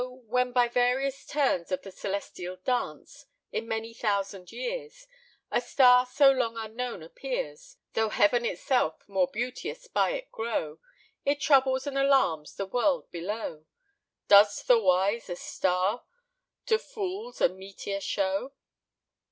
when by various turns of the celestial dance, In many thousand years, A star so long unknown appears, Though Heaven itself more beauteous by it grow, It troubles and alarms the world below; Does to the wise a star, to fools a meteor show."